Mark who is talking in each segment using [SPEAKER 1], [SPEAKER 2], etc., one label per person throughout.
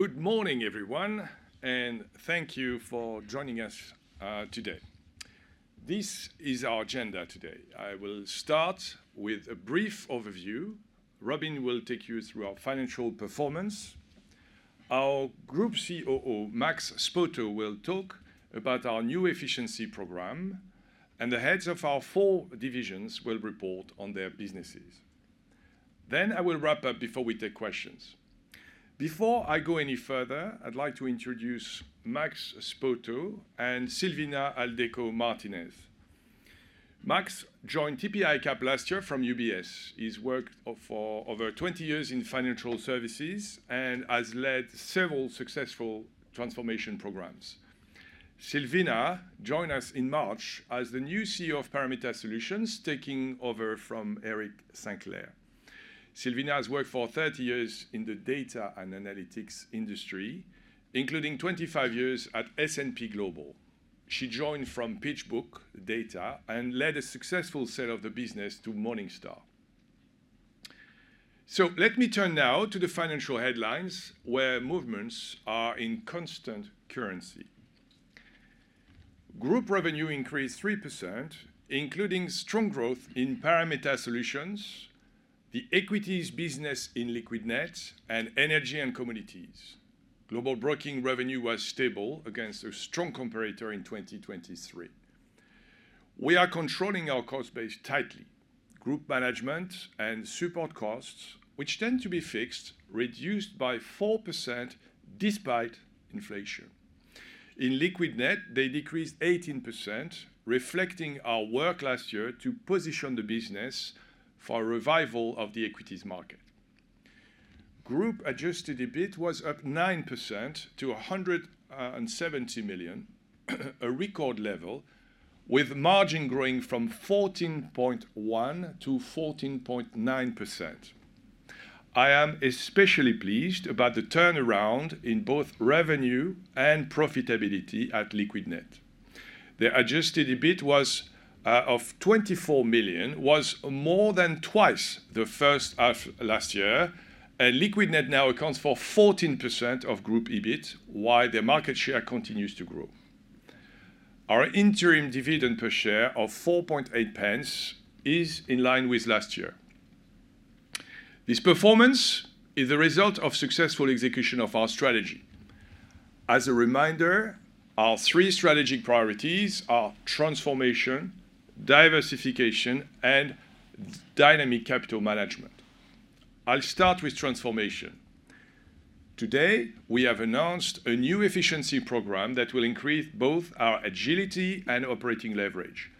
[SPEAKER 1] Good morning, everyone, and thank you for joining us, today. This is our agenda today. I will start with a brief overview. Robin will take you through our financial performance. Our Group COO, Max Spoto, will talk about our new efficiency program, and the heads of our four divisions will report on their businesses. Then I will wrap up before we take questions. Before I go any further, I'd like to introduce Max Spoto and Silvina Aldeco-Martinez. Max joined TP ICAP last year from UBS. He's worked for over 20 years in financial services and has led several successful transformation programs. Silvina joined us in March as the new CEO of Parameta Solutions, taking over from Eric Sinclair. Silvina has worked for 30 years in the data and analytics industry, including 25 years at S&P Global. She joined from PitchBook Data and led a successful sale of the business to Morningstar. So let me turn now to the financial headlines, where movements are in constant currency. Group revenue increased 3%, including strong growth in Parameta Solutions, the equities business in Liquidnet, and Energy and Commodities. Global broking revenue was stable against a strong comparator in 2023. We are controlling our cost base tightly. Group management and support costs, which tend to be fixed, reduced by 4% despite inflation. In Liquidnet, they decreased 18%, reflecting our work last year to position the business for a revival of the equities market. Group adjusted EBIT was up 9% to 170 million, a record level, with margin growing from 14.1% to 14.9%. I am especially pleased about the turnaround in both revenue and profitability at Liquidnet. The adjusted EBIT was of 24 million, was more than twice the first half last year, and Liquidnet now accounts for 14% of group EBIT, while their market share continues to grow. Our interim dividend per share of 0.048 is in line with last year. This performance is the result of successful execution of our strategy. As a reminder, our three strategic priorities are transformation, diversification, and dynamic capital management. I'll start with transformation. Today, we have announced a new efficiency program that will increase both our agility and operating leverage.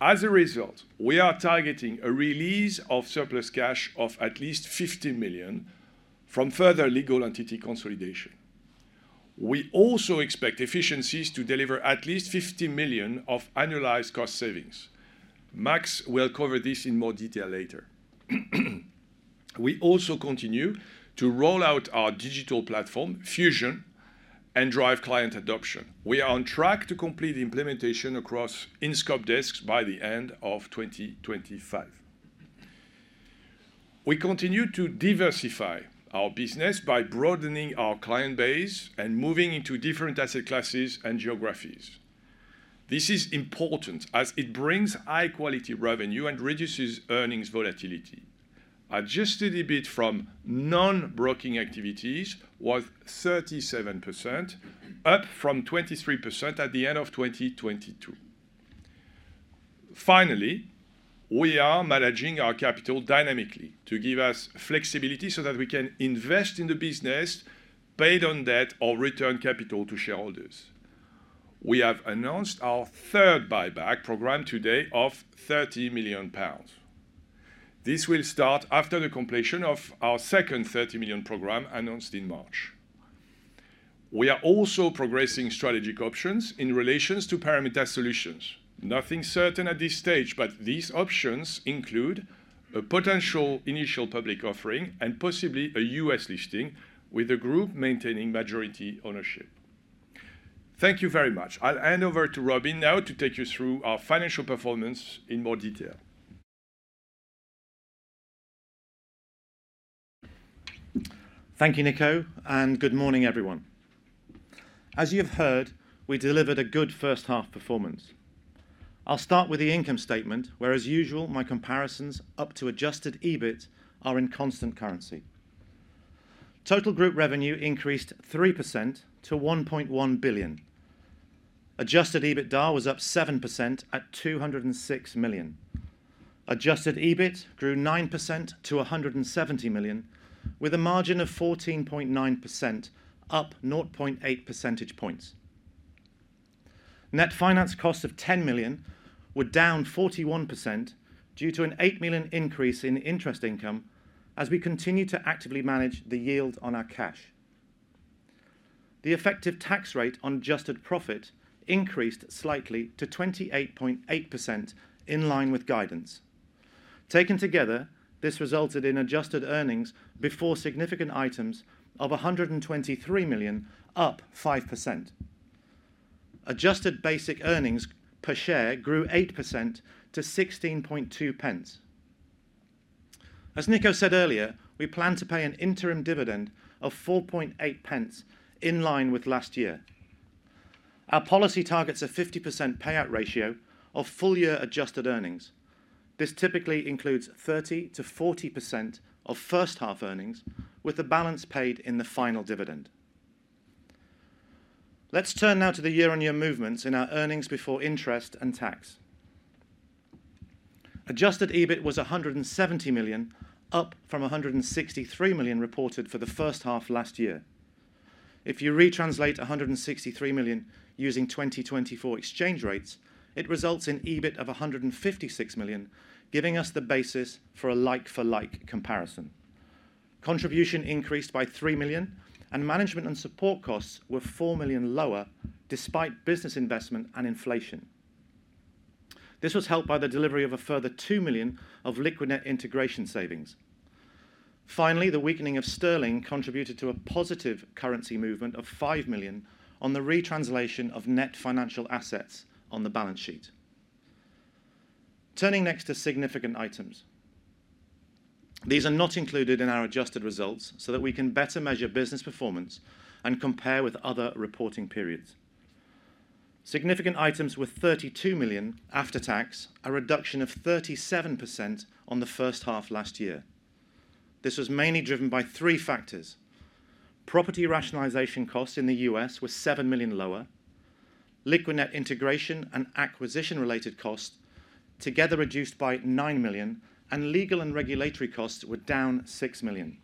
[SPEAKER 1] As a result, we are targeting a release of surplus cash of at least 50 million from further legal entity consolidation. We also expect efficiencies to deliver at least 50 million of annualized cost savings. Max will cover this in more detail later. We also continue to roll out our digital platform, Fusion, and drive client adoption. We are on track to complete the implementation across in-scope desks by the end of 2025. We continue to diversify our business by broadening our client base and moving into different asset classes and geographies. This is important as it brings high-quality revenue and reduces earnings volatility. Adjusted EBIT from non-broking activities was 37%, up from 23% at the end of 2022. Finally, we are managing our capital dynamically to give us flexibility so that we can invest in the business, pay down debt, or return capital to shareholders. We have announced our third buyback program today of 30 million pounds. This will start after the completion of our second 30 million program announced in March. We are also progressing strategic options in relation to Parameta Solutions. Nothing certain at this stage, but these options include a potential initial public offering and possibly a U.S. listing, with the group maintaining majority ownership. Thank you very much. I'll hand over to Robin now to take you through our financial performance in more detail.
[SPEAKER 2] Thank you, Nico, and good morning, everyone. As you have heard, we delivered a good first half performance. I'll start with the income statement, where, as usual, my comparisons up to Adjusted EBIT are in constant currency. Total group revenue increased 3% to 1.1 billion. Adjusted EBITDA was up 7% at 206 million. Adjusted EBIT grew 9% to 170 million, with a margin of 14.9%, up 0.8 percentage points. Net finance costs of 10 million were down 41% due to an 8 million increase in interest income as we continue to actively manage the yield on our cash. The effective tax rate on adjusted profit increased slightly to 28.8%, in line with guidance. Taken together, this resulted in adjusted earnings before significant items of 123 million, up 5%. Adjusted basic earnings per share grew 8% to 16.2 pence. As Nico said earlier, we plan to pay an interim dividend of 4.8 pence, in line with last year. Our policy targets a 50% payout ratio of full-year adjusted earnings. This typically includes 30%-40% of first-half earnings, with the balance paid in the final dividend. Let's turn now to the year-on-year movements in our earnings before interest and tax. Adjusted EBIT was 170 million, up from 163 million reported for the first half last year. If you retranslate 163 million using 2024 exchange rates, it results in EBIT of 156 million, giving us the basis for a like-for-like comparison. Contribution increased by 3 million, and management and support costs were 4 million lower, despite business investment and inflation. This was helped by the delivery of a further 2 million of Liquidnet integration savings. Finally, the weakening of sterling contributed to a positive currency movement of 5 million on the retranslation of net financial assets on the balance sheet. Turning next to significant items. These are not included in our adjusted results so that we can better measure business performance and compare with other reporting periods. Significant items were 32 million after tax, a reduction of 37% on the first half last year. This was mainly driven by three factors: property rationalization costs in the U.S. were 7 million lower, Liquidnet integration and acquisition-related costs together reduced by 9 million, and legal and regulatory costs were down 6 million.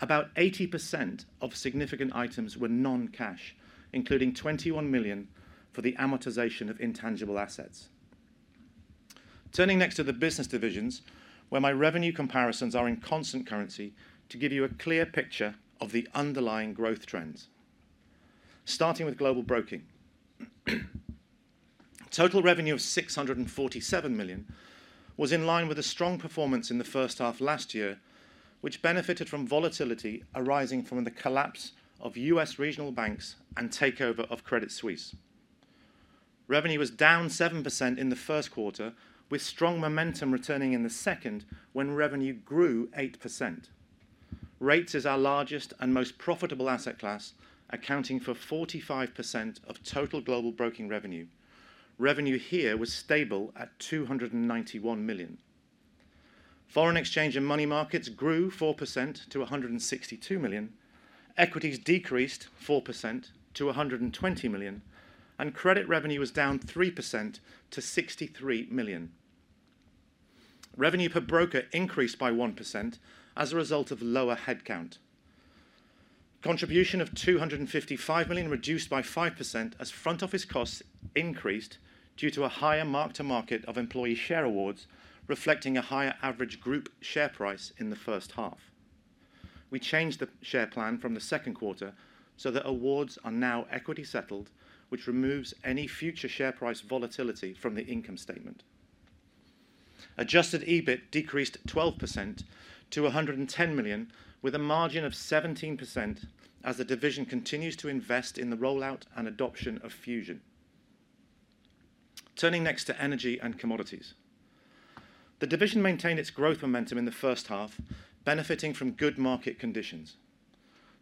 [SPEAKER 2] About 80% of significant items were non-cash, including 21 million for the amortization of intangible assets. Turning next to the business divisions, where my revenue comparisons are in constant currency to give you a clear picture of the underlying growth trends. Starting with Global Broking. Total revenue of 647 million was in line with a strong performance in the first half last year, which benefited from volatility arising from the collapse of U.S. regional banks and takeover of Credit Suisse. Revenue was down 7% in the first quarter, with strong momentum returning in the second, when revenue grew 8%. Rates is our largest and most profitable asset class, accounting for 45% of total Global Broking revenue. Revenue here was stable at 291 million. Foreign exchange and money markets grew 4% to 162 million, equities decreased 4% to 120 million, and credit revenue was down 3% to 63 million. Revenue per broker increased by 1% as a result of lower headcount. Contribution of 255 million reduced by 5% as front-office costs increased due to a higher mark-to-market of employee share awards, reflecting a higher average group share price in the first half. We changed the share plan from the second quarter so that awards are now equity-settled, which removes any future share price volatility from the income statement. Adjusted EBIT decreased 12% to 110 million, with a margin of 17%, as the division continues to invest in the rollout and adoption of Fusion. Turning next to Energy and Commodities. The division maintained its growth momentum in the first half, benefiting from good market conditions.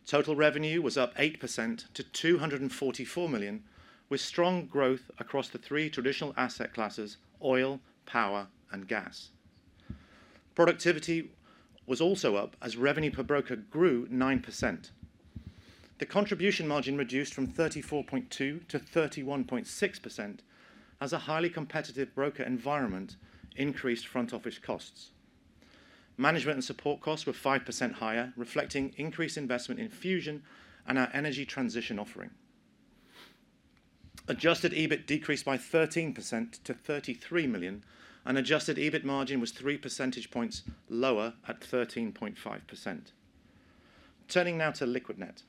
[SPEAKER 2] Total revenue was up 8% to 244 million, with strong growth across the three traditional asset classes: oil, power, and gas. Productivity was also up as revenue per broker grew 9%. The contribution margin reduced from 34.2% to 31.6%, as a highly competitive broker environment increased front-office costs. Management and support costs were 5% higher, reflecting increased investment in Fusion and our energy transition offering. Adjusted EBIT decreased by 13% to 33 million, and adjusted EBIT margin was three percentage points lower at 13.5%. Turning now to Liquidnet.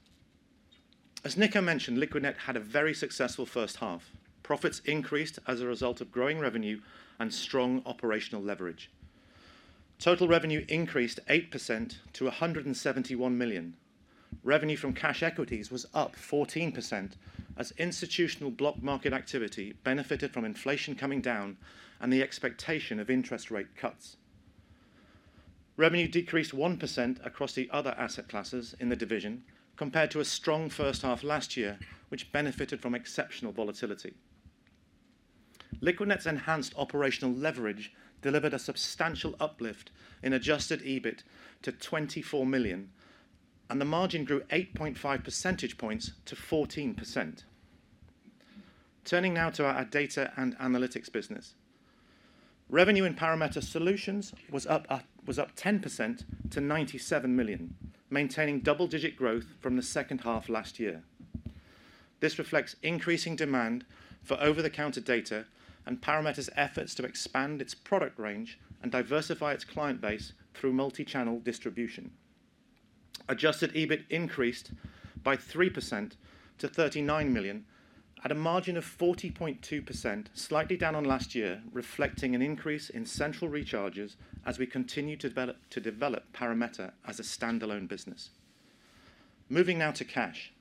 [SPEAKER 2] As Nico mentioned, Liquidnet had a very successful first half. Profits increased as a result of growing revenue and strong operational leverage. Total revenue increased 8% to 171 million. Revenue from cash equities was up 14%, as institutional block market activity benefited from inflation coming down and the expectation of interest rate cuts. Revenue decreased 1% across the other asset classes in the division, compared to a strong first half last year, which benefited from exceptional volatility. Liquidnet's enhanced operational leverage delivered a substantial uplift in Adjusted EBIT to 24 million, and the margin grew 8.5 percentage points to 14%. Turning now to our Data and Analytics business. Revenue in Parameta Solutions was up 10% to 97 million, maintaining double-digit growth from the second half last year. This reflects increasing demand for over-the-counter data and Parameta's efforts to expand its product range and diversify its client base through multi-channel distribution. Adjusted EBIT increased by 3% to 39 million at a margin of 40.2%, slightly down on last year, reflecting an increase in central recharges as we continue to develop Parameta as a standalone business. Moving now to cash.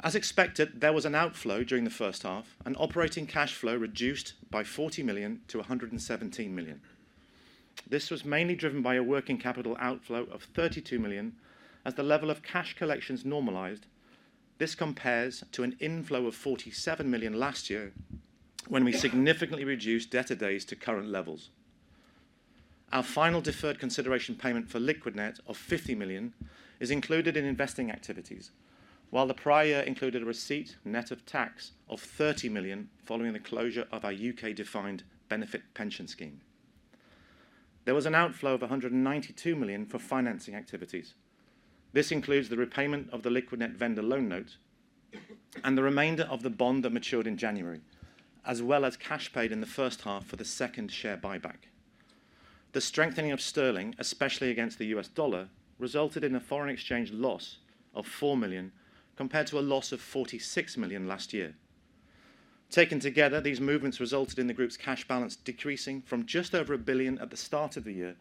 [SPEAKER 2] As expected, there was an outflow during the first half, and operating cash flow reduced by 40 million to 117 million. This was mainly driven by a working capital outflow of 32 million, as the level of cash collections normalized. This compares to an inflow of 47 million last year, when we significantly reduced debtor days to current levels. Our final deferred consideration payment for Liquidnet of 50 million is included in investing activities, while the prior year included a receipt net of tax of 30 million following the closure of our UK defined benefit pension scheme. There was an outflow of 192 million for financing activities. This includes the repayment of the Liquidnet vendor loan note and the remainder of the bond that matured in January, as well as cash paid in the first half for the second share buyback. The strengthening of sterling, especially against the US dollar, resulted in a foreign exchange loss of 4 million, compared to a loss of 46 million last year. Taken together, these movements resulted in the group's cash balance decreasing from just over 1 billion at the start of the year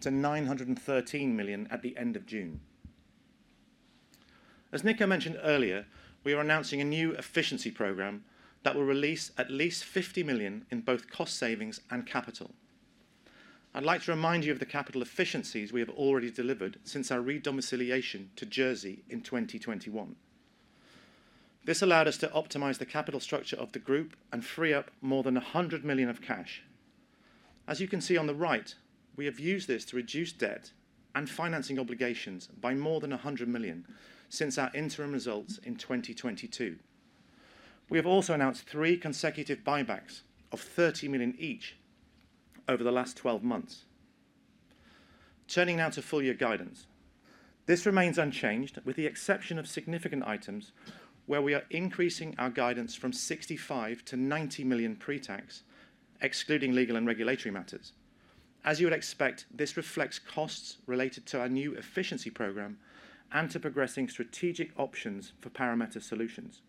[SPEAKER 2] to 913 million at the end of June. As Nico mentioned earlier, we are announcing a new efficiency program that will release at least 50 million in both cost savings and capital. I'd like to remind you of the capital efficiencies we have already delivered since our redomiciliation to Jersey in 2021. This allowed us to optimize the capital structure of the group and free up more than 100 million of cash. As you can see on the right, we have used this to reduce debt and financing obligations by more than 100 million since our interim results in 2022. We have also announced 3 consecutive buybacks of 30 million each over the last 12 months. Turning now to full year guidance. This remains unchanged, with the exception of significant items, where we are increasing our guidance from 65 million to 90 million pre-tax, excluding legal and regulatory matters. As you would expect, this reflects costs related to our new efficiency program and to progressing strategic options for Parameta Solutions.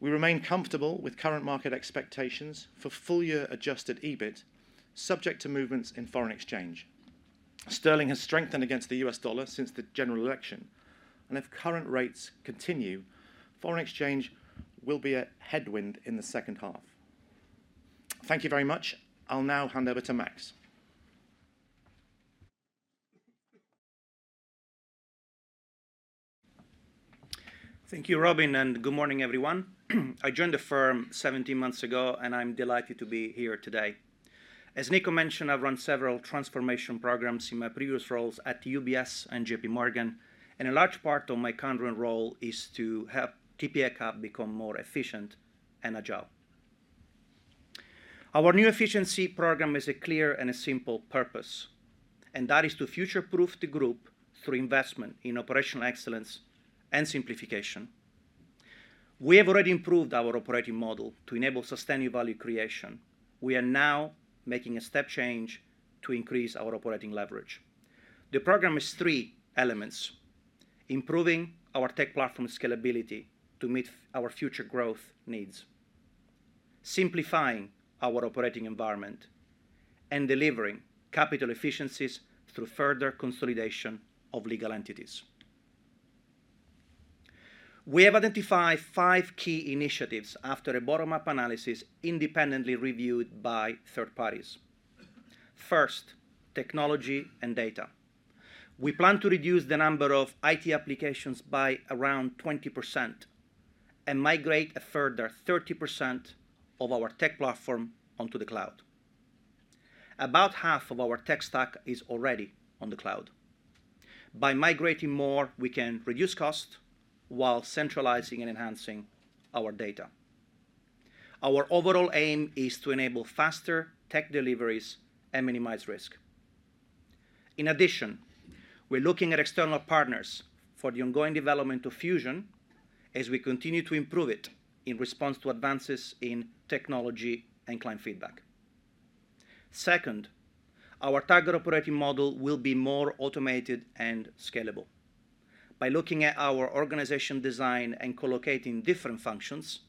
[SPEAKER 2] We remain comfortable with current market expectations for full-year adjusted EBIT, subject to movements in foreign exchange. Sterling has strengthened against the US dollar since the general election, and if current rates continue, foreign exchange will be a headwind in the second half. Thank you very much. I'll now hand over to Max.
[SPEAKER 3] Thank you, Robin, and good morning, everyone. I joined the firm 17 months ago, and I'm delighted to be here today. As Nico mentioned, I've run several transformation programs in my previous roles at UBS and JP Morgan, and a large part of my current role is to help TP ICAP become more efficient and agile. Our new efficiency program is a clear and a simple purpose, and that is to future-proof the group through investment in operational excellence and simplification. We have already improved our operating model to enable sustainable value creation. We are now making a step change to increase our operating leverage. The program is three elements: improving our tech platform scalability to meet our future growth needs, simplifying our operating environment, and delivering capital efficiencies through further consolidation of legal entities. We have identified five key initiatives after a bottom-up analysis independently reviewed by third parties. First, technology and data. We plan to reduce the number of IT applications by around 20% and migrate a further 30% of our tech platform onto the cloud. About half of our tech stack is already on the cloud. By migrating more, we can reduce cost while centralizing and enhancing our data. Our overall aim is to enable faster tech deliveries and minimize risk. In addition, we're looking at external partners for the ongoing development of Fusion as we continue to improve it in response to advances in technology and client feedback. Second, our target operating model will be more automated and scalable. By looking at our organization design and co-locating different functions,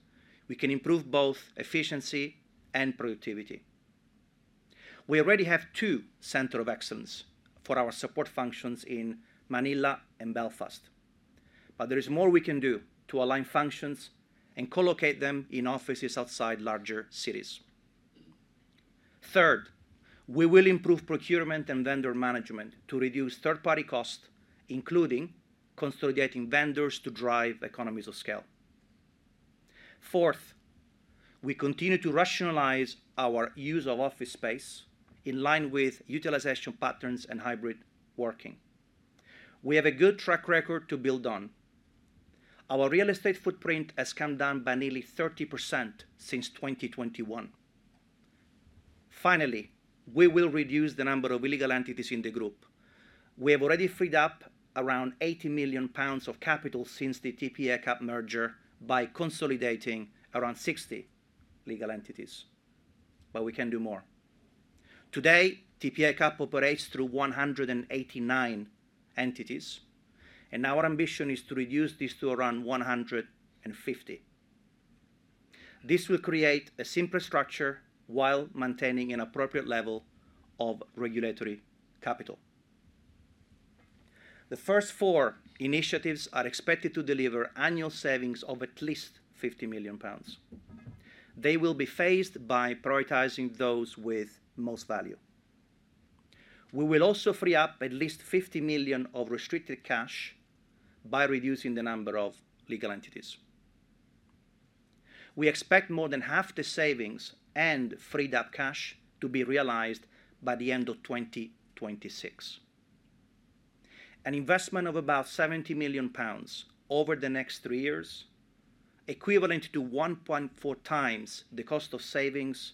[SPEAKER 3] we can improve both efficiency and productivity. We already have 2 centers of excellence for our support functions in Manila and Belfast, but there is more we can do to align functions and co-locate them in offices outside larger cities. Third, we will improve procurement and vendor management to reduce third-party costs, including consolidating vendors to drive economies of scale. Fourth, we continue to rationalize our use of office space in line with utilization patterns and hybrid working. We have a good track record to build on. Our real estate footprint has come down by nearly 30% since 2021. Finally, we will reduce the number of legal entities in the group. We have already freed up around 80 million pounds of capital since the TP ICAP merger by consolidating around 60 legal entities, but we can do more. Today, TP ICAP operates through 189 entities, and our ambition is to reduce this to around 150. This will create a simpler structure while maintaining an appropriate level of regulatory capital. The first four initiatives are expected to deliver annual savings of at least 50 million pounds. They will be phased by prioritizing those with most value. We will also free up at least 50 million of restricted cash by reducing the number of legal entities. We expect more than half the savings and freed-up cash to be realized by the end of 2026. An investment of about 70 million pounds over the next three years, equivalent to 1.4 times the cost of savings,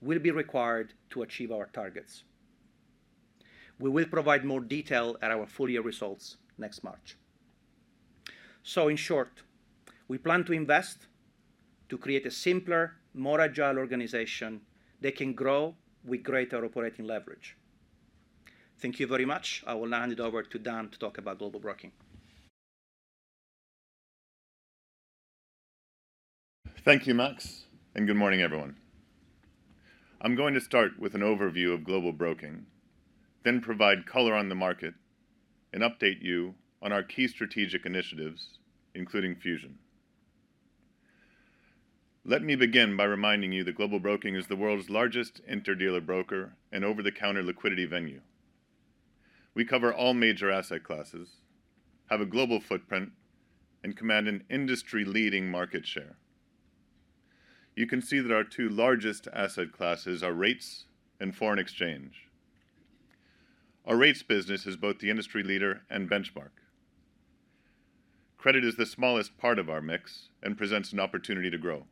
[SPEAKER 3] will be required to achieve our targets. We will provide more detail at our full year results next March. In short, we plan to invest to create a simpler, more agile organization that can grow with greater operating leverage. Thank you very much. I will hand it over to Dan to talk about Global Broking.
[SPEAKER 4] Thank you, Max, and good morning, everyone. I'm going to start with an overview of Global Broking, then provide color on the market and update you on our key strategic initiatives, including Fusion. Let me begin by reminding you that Global Broking is the world's largest interdealer broker and over-the-counter liquidity venue. We cover all major asset classes, have a global footprint, and command an industry-leading market share. You can see that our two largest asset classes are rates and foreign exchange. Our rates business is both the industry leader and benchmark. Credit is the smallest part of our mix and presents an opportunity to grow.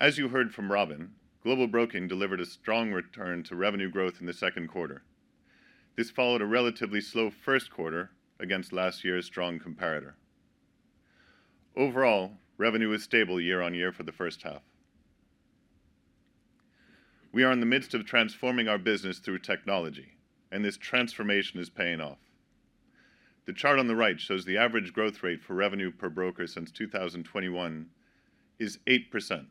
[SPEAKER 4] As you heard from Robin, Global Broking delivered a strong return to revenue growth in the second quarter. This followed a relatively slow first quarter against last year's strong comparator. Overall, revenue is stable year-on-year for the first half. We are in the midst of transforming our business through technology, and this transformation is paying off. The chart on the right shows the average growth rate for revenue per broker since 2021 is 8%.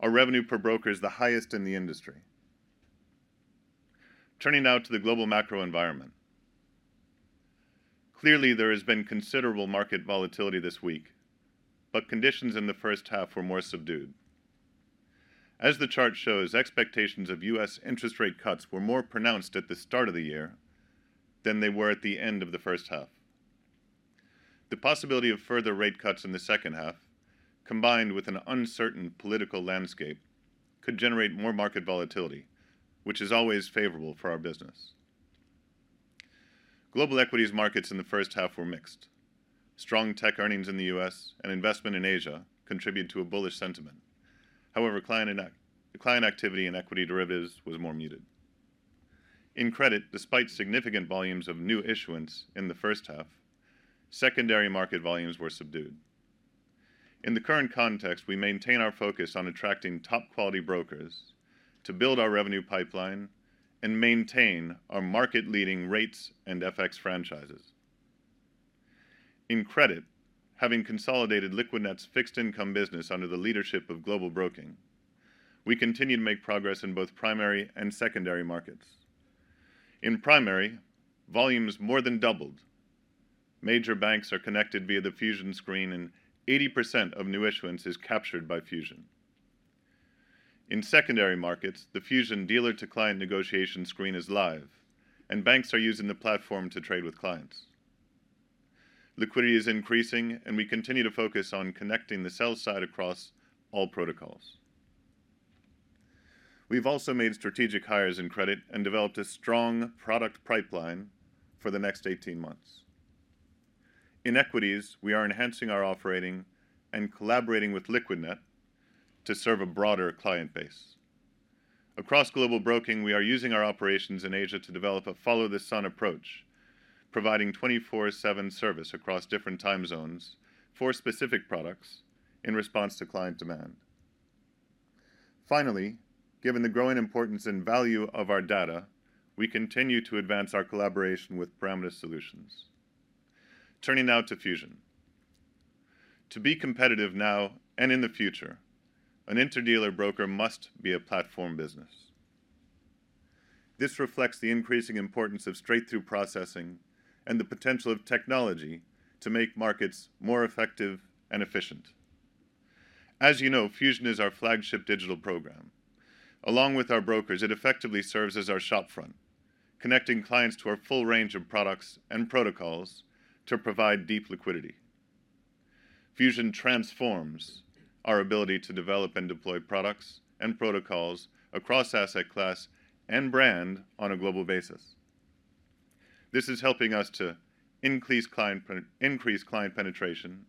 [SPEAKER 4] Our revenue per broker is the highest in the industry. Turning now to the global macro environment. Clearly, there has been considerable market volatility this week, but conditions in the first half were more subdued. As the chart shows, expectations of U.S. interest rate cuts were more pronounced at the start of the year than they were at the end of the first half. The possibility of further rate cuts in the second half, combined with an uncertain political landscape, could generate more market volatility, which is always favorable for our business. Global equities markets in the first half were mixed. Strong tech earnings in the US and investment in Asia contributed to a bullish sentiment. However, client activity in equity derivatives was more muted. In credit, despite significant volumes of new issuance in the first half, secondary market volumes were subdued. In the current context, we maintain our focus on attracting top-quality brokers to build our revenue pipeline and maintain our market-leading rates and FX franchises. In credit, having consolidated Liquidnet's fixed income business under the leadership of Global Broking, we continue to make progress in both primary and secondary markets. In primary, volumes more than doubled. Major banks are connected via the Fusion screen, and 80% of new issuance is captured by Fusion. In secondary markets, the Fusion dealer-to-client negotiation screen is live, and banks are using the platform to trade with clients. Liquidity is increasing, and we continue to focus on connecting the sell side across all protocols. We've also made strategic hires in credit and developed a strong product pipeline for the next 18 months. In equities, we are enhancing our operating and collaborating with Liquidnet to serve a broader client base. Across Global Broking, we are using our operations in Asia to develop a follow-the-sun approach, providing 24/7 service across different time zones for specific products in response to client demand. Finally, given the growing importance and value of our data, we continue to advance our collaboration with Parameta Solutions. Turning now to Fusion. To be competitive now and in the future, an interdealer broker must be a platform business. This reflects the increasing importance of straight-through processing and the potential of technology to make markets more effective and efficient. As you know, Fusion is our flagship digital program. Along with our brokers, it effectively serves as our shop front, connecting clients to our full range of products and protocols to provide deep liquidity. Fusion transforms our ability to develop and deploy products and protocols across asset class and brand on a global basis. This is helping us to increase client penetration,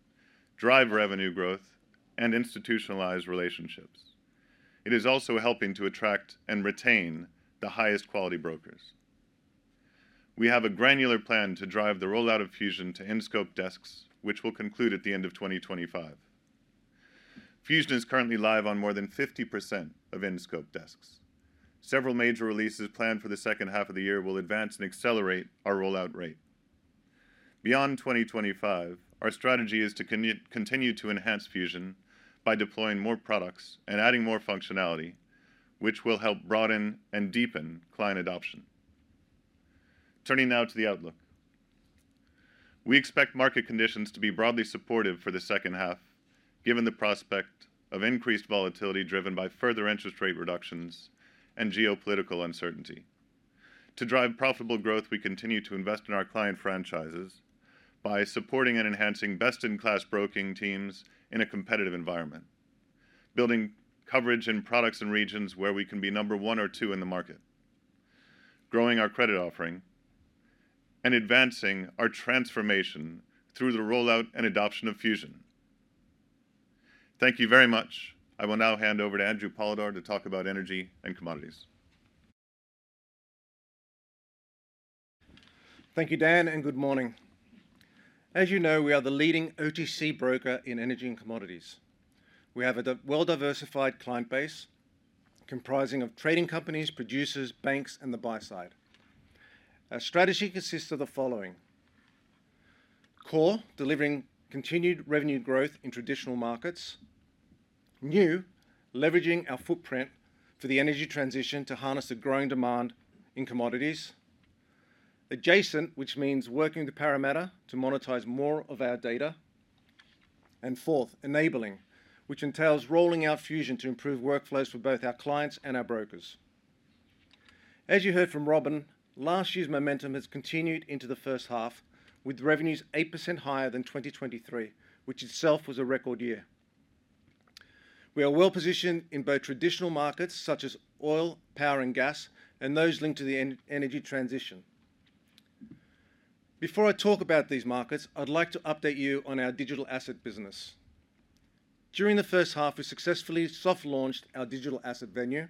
[SPEAKER 4] drive revenue growth, and institutionalize relationships. It is also helping to attract and retain the highest quality brokers. We have a granular plan to drive the rollout of Fusion to in-scope desks, which will conclude at the end of 2025. Fusion is currently live on more than 50% of in-scope desks. Several major releases planned for the second half of the year will advance and accelerate our rollout rate. Beyond 2025, our strategy is to continue to enhance Fusion by deploying more products and adding more functionality, which will help broaden and deepen client adoption. Turning now to the outlook. We expect market conditions to be broadly supportive for the second half, given the prospect of increased volatility driven by further interest rate reductions and geopolitical uncertainty. To drive profitable growth, we continue to invest in our client franchises by supporting and enhancing best-in-class broking teams in a competitive environment, building coverage in products and regions where we can be number one or two in the market, growing our credit offering, and advancing our transformation through the rollout and adoption of Fusion. Thank you very much. I will now hand over to Andrew Polydor to talk about energy and commodities.
[SPEAKER 5] Thank you, Dan, and good morning. As you know, we are the leading OTC broker in energy and commodities. We have a well-diversified client base comprising of trading companies, producers, banks, and the buy side. Our strategy consists of the following: core, delivering continued revenue growth in traditional markets; new, leveraging our footprint for the energy transition to harness the growing demand in commodities; adjacent, which means working with Parameta to monetize more of our data; and fourth, enabling, which entails rolling out Fusion to improve workflows for both our clients and our brokers. As you heard from Robin, last year's momentum has continued into the first half, with revenues 8% higher than 2023, which itself was a record year. We are well-positioned in both traditional markets, such as oil, power, and gas, and those linked to the energy transition. Before I talk about these markets, I'd like to update you on our digital asset business. During the first half, we successfully soft launched our digital asset venue,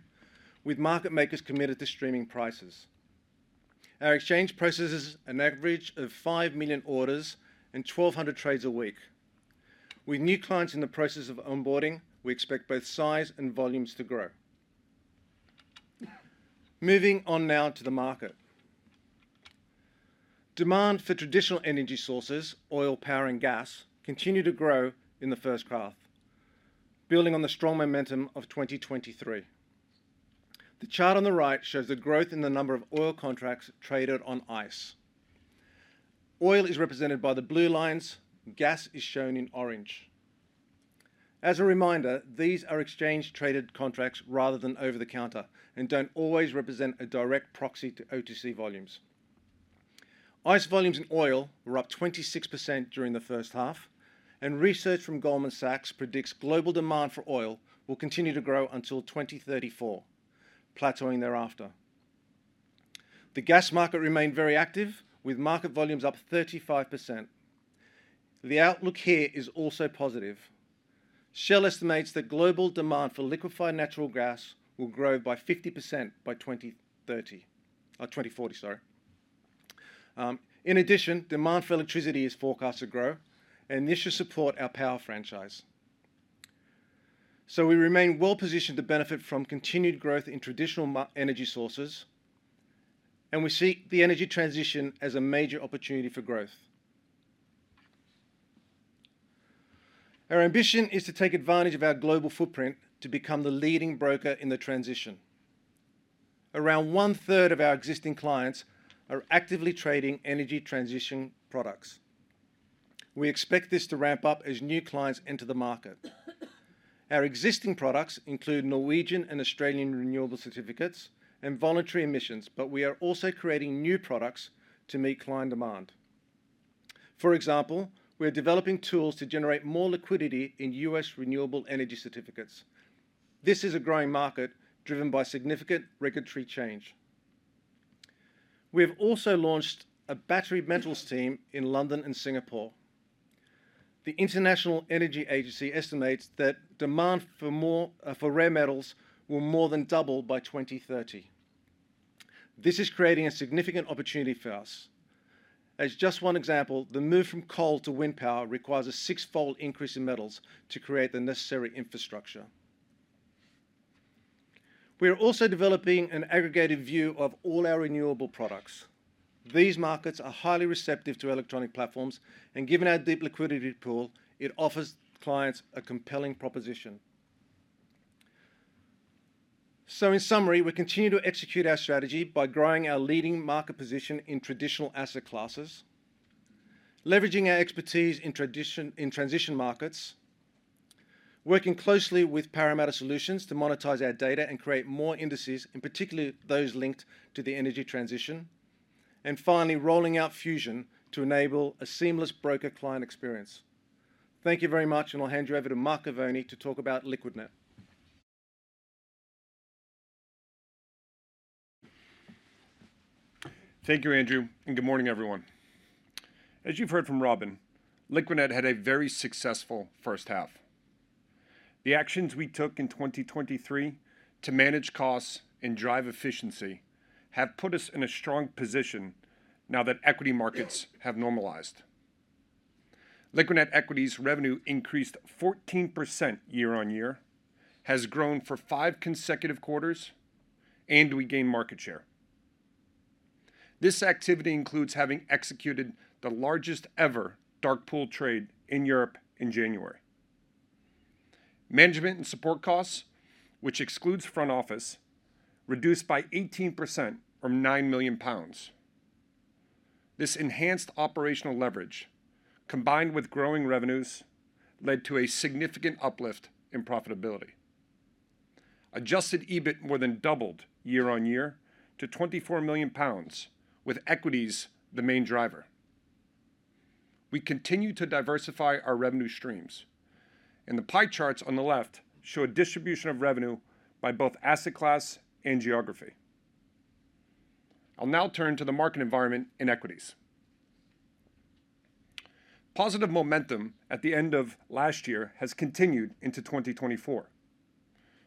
[SPEAKER 5] with market makers committed to streaming prices. Our exchange processes an average of 5 million orders and 1,200 trades a week. With new clients in the process of onboarding, we expect both size and volumes to grow. Moving on now to the market. Demand for traditional energy sources, oil, power, and gas, continued to grow in the first half, building on the strong momentum of 2023. The chart on the right shows the growth in the number of oil contracts traded on ICE. Oil is represented by the blue lines. Gas is shown in orange. As a reminder, these are exchange-traded contracts rather than over-the-counter and don't always represent a direct proxy to OTC volumes. ICE volumes in oil were up 26% during the first half, and research from Goldman Sachs predicts global demand for oil will continue to grow until 2034, plateauing thereafter. The gas market remained very active, with market volumes up 35%. The outlook here is also positive. Shell estimates that global demand for liquefied natural gas will grow by 50% by 2030, 2040, sorry. In addition, demand for electricity is forecast to grow, and this should support our power franchise. So we remain well positioned to benefit from continued growth in traditional energy sources, and we see the energy transition as a major opportunity for growth. Our ambition is to take advantage of our global footprint to become the leading broker in the transition. Around one-third of our existing clients are actively trading energy transition products. We expect this to ramp up as new clients enter the market. Our existing products include Norwegian and Australian renewable certificates and voluntary emissions, but we are also creating new products to meet client demand. For example, we are developing tools to generate more liquidity in US renewable energy certificates. This is a growing market driven by significant regulatory change. We have also launched a Battery Metals team in London and Singapore. The International Energy Agency estimates that demand for more, for rare metals will more than double by 2030. This is creating a significant opportunity for us. As just one example, the move from coal to wind power requires a sixfold increase in metals to create the necessary infrastructure. We are also developing an aggregated view of all our renewable products. These markets are highly receptive to electronic platforms, and given our deep liquidity pool, it offers clients a compelling proposition. So in summary, we continue to execute our strategy by growing our leading market position in traditional asset classes, leveraging our expertise in traditional, in transition markets, working closely with Parameta Solutions to monetize our data and create more indices, and particularly those linked to the energy transition, and finally, rolling out Fusion to enable a seamless broker-client experience. Thank you very much, and I'll hand you over to Mark Govoni to talk about Liquidnet.
[SPEAKER 6] Thank you, Andrew, and good morning, everyone. As you've heard from Robin, Liquidnet had a very successful first half. The actions we took in 2023 to manage costs and drive efficiency have put us in a strong position now that equity markets have normalized. Liquidnet equities revenue increased 14% year-on-year, has grown for five consecutive quarters, and we gained market share. This activity includes having executed the largest ever dark pool trade in Europe in January. Management and support costs, which excludes front office, reduced by 18% from 9 million pounds. This enhanced operational leverage, combined with growing revenues, led to a significant uplift in profitability. Adjusted EBIT more than doubled year-on-year to 24 million pounds, with equities the main driver. We continue to diversify our revenue streams, and the pie charts on the left show a distribution of revenue by both asset class and geography. I'll now turn to the market environment in equities. Positive momentum at the end of last year has continued into 2024.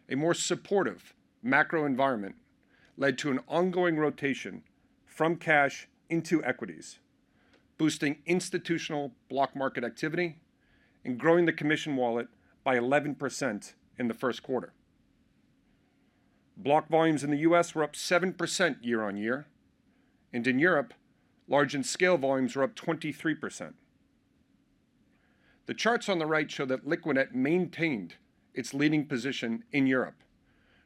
[SPEAKER 6] A more supportive macro environment led to an ongoing rotation from cash into equities, boosting institutional block market activity and growing the commission wallet by 11% in the first quarter. Block volumes in the U.S. were up 7% year-on-year, and in Europe, large and scale volumes were up 23%. The charts on the right show that Liquidnet maintained its leading position in Europe,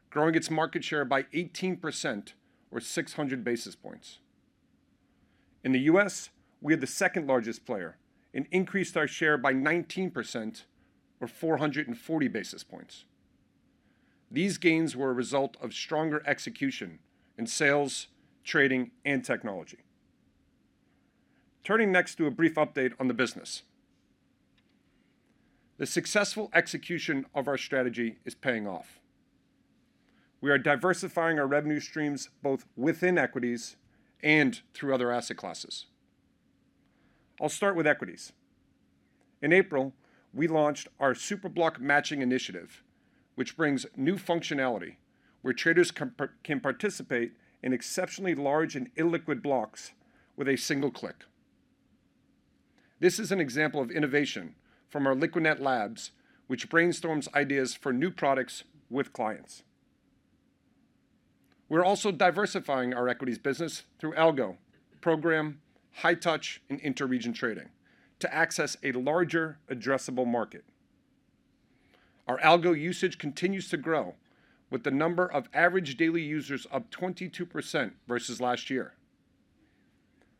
[SPEAKER 6] growing its market share by 18%, or 600 basis points. In the U.S., we are the second-largest player and increased our share by 19% or 440 basis points. These gains were a result of stronger execution in sales, trading, and technology. Turning next to a brief update on the business. The successful execution of our strategy is paying off. We are diversifying our revenue streams, both within equities and through other asset classes. I'll start with equities. In April, we launched our SuperBlock Matching initiative, which brings new functionality where traders can participate in exceptionally large and illiquid blocks with a single click. This is an example of innovation from our Liquidnet Labs, which brainstorms ideas for new products with clients. We're also diversifying our equities business through algo, program, high touch, and inter-region trading to access a larger addressable market. Our algo usage continues to grow, with the number of average daily users up 22% versus last year.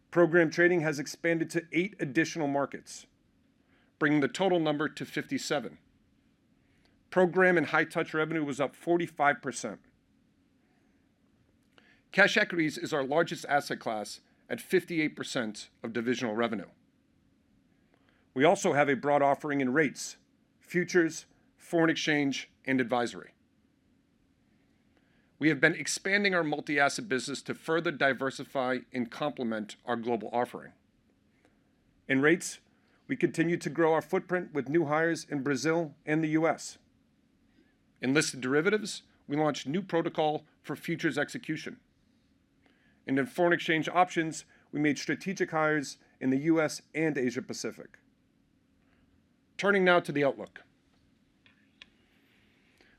[SPEAKER 6] Program trading has expanded to 8 additional markets, bringing the total number to 57. Program and High Touch revenue was up 45%. Cash Equities is our largest asset class at 58% of divisional revenue. We also have a broad offering in rates, futures, foreign exchange, and advisory. We have been expanding our multi-asset business to further diversify and complement our global offering. In rates, we continue to grow our footprint with new hires in Brazil and the U.S. In listed derivatives, we launched new protocol for futures execution. In foreign exchange options, we made strategic hires in the U.S. and Asia Pacific. Turning now to the outlook.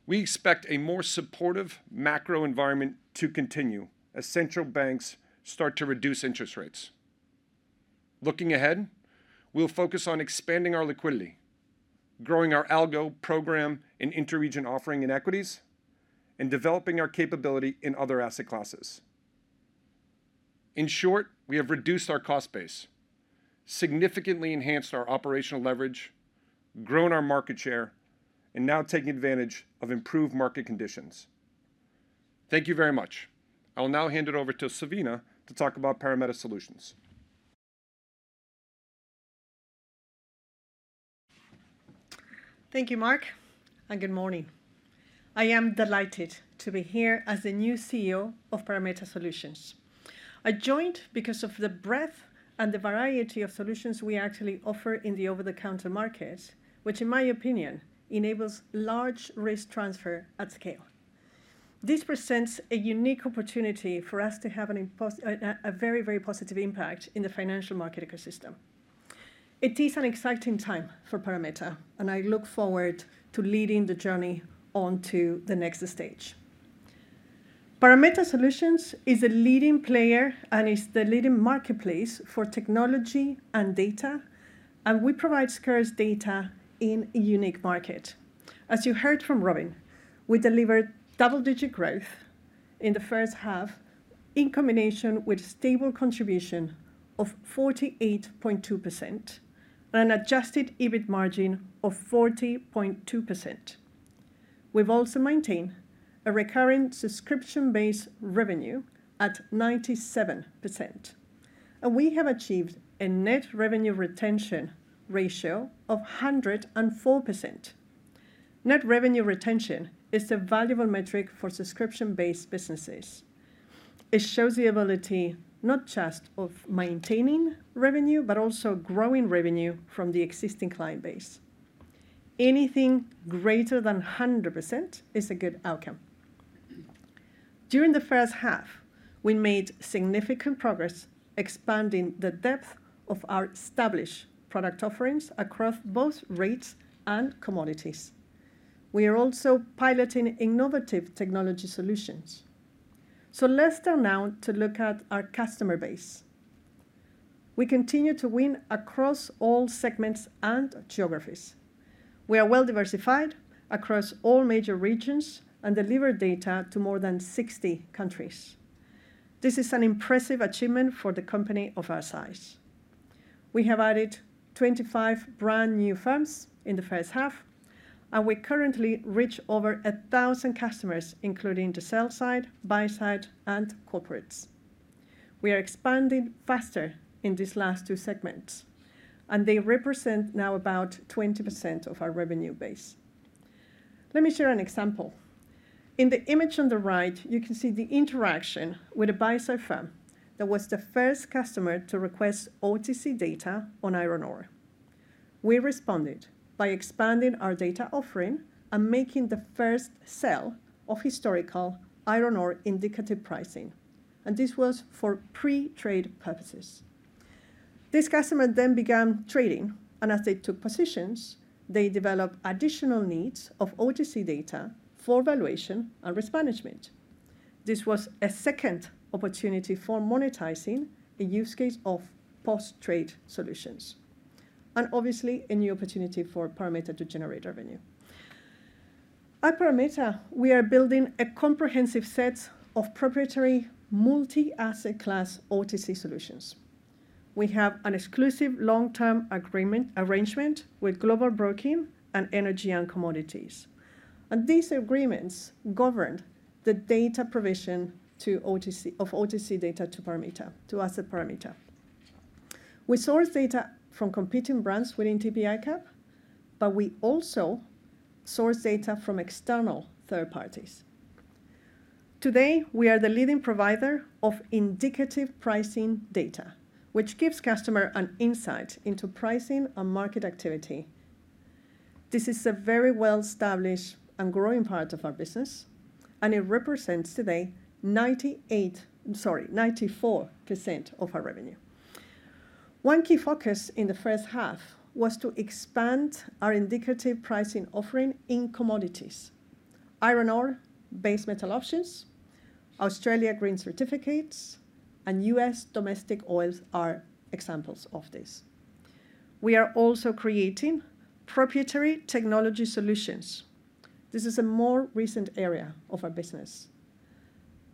[SPEAKER 6] We expect a more supportive macro environment to continue as central banks start to reduce interest rates. Looking ahead, we'll focus on expanding our liquidity, growing our algo program and inter-region offering in equities, and developing our capability in other asset classes. In short, we have reduced our cost base, significantly enhanced our operational leverage, grown our market share, and now taking advantage of improved market conditions. Thank you very much. I will now hand it over to Silvina to talk about Parameta Solutions.
[SPEAKER 7] Thank you, Mark, and good morning. I am delighted to be here as the new CEO of Parameta Solutions. I joined because of the breadth and the variety of solutions we actually offer in the over-the-counter market, which, in my opinion, enables large risk transfer at scale. This presents a unique opportunity for us to have a very, very positive impact in the financial market ecosystem. It is an exciting time for Parameta, and I look forward to leading the journey on to the next stage. Parameta Solutions is a leading player and is the leading marketplace for technology and data, and we provide scarce data in a unique market. As you heard from Robin, we delivered double-digit growth in the first half, in combination with stable contribution of 48.2% and an adjusted EBIT margin of 40.2%. We've also maintained a recurring subscription-based revenue at 97%, and we have achieved a net revenue retention ratio of 104%. Net revenue retention is a valuable metric for subscription-based businesses. It shows the ability not just of maintaining revenue, but also growing revenue from the existing client base. Anything greater than 100% is a good outcome. During the first half, we made significant progress expanding the depth of our established product offerings across both rates and commodities. We are also piloting innovative technology solutions. So let's turn now to look at our customer base. We continue to win across all segments and geographies. We are well diversified across all major regions and deliver data to more than 60 countries. This is an impressive achievement for the company of our size. We have added 25 brand-new firms in the first half, and we currently reach over 1,000 customers, including the sell side, buy side, and corporates. We are expanding faster in these last two segments, and they represent now about 20% of our revenue base. Let me share an example. In the image on the right, you can see the interaction with a buy-side firm that was the first customer to request OTC data on iron ore. We responded by expanding our data offering and making the first sale of historical iron ore indicative pricing, and this was for pre-trade purposes. This customer then began trading, and as they took positions, they developed additional needs of OTC data for valuation and risk management. This was a second opportunity for monetizing a use case of post-trade solutions, and obviously, a new opportunity for Parameta to generate revenue. At Parameta, we are building a comprehensive set of proprietary multi-asset class OTC solutions. We have an exclusive long-term agreement, arrangement with Global Broking and Energy & Commodities, and these agreements govern the data provision to OTC, of OTC data to Parameta, to Asset Parameta. We source data from competing brands within TP ICAP, but we also source data from external third parties. Today, we are the leading provider of indicative pricing data, which gives customer an insight into pricing and market activity. This is a very well-established and growing part of our business, and it represents today 98%, sorry, 94% of our revenue. One key focus in the first half was to expand our indicative pricing offering in commodities. Iron ore, base metal options, Australia green certificates, and US domestic oils are examples of this. We are also creating proprietary technology solutions. This is a more recent area of our business.